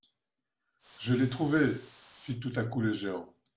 Je l'ai trouvé ! fit tout à coup le géant.